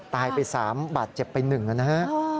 ตายไป๓บาทเจ็บไป๑นะฮะ